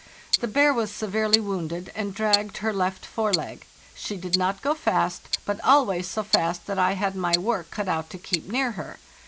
The bear was severely wounded, and dragged her left fore leg; she did not go fast, but always so fast that I had my work cut out to keep near her.